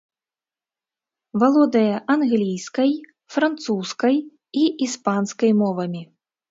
Валодае англійскай, французскай і іспанскай мовамі.